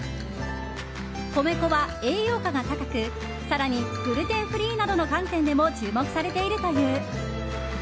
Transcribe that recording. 米粉は栄養価が高く更にグルテンフリーなどの観点でも注目されているという。